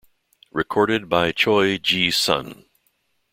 Recorded by Choi Gi Sun.